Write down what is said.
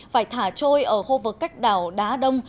phải thả trôi ở khu vực cách đảo đá đông